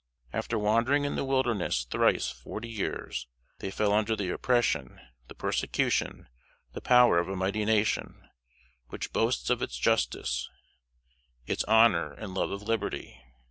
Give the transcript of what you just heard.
After wandering in the wilderness thrice forty years, they fell under the oppression, the persecution, the power of a mighty nation, which boasts of its justice, its honor, and love of liberty.